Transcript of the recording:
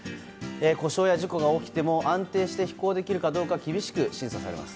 故障や事故が起きても安定して飛行できるかどうか厳しく審査されます。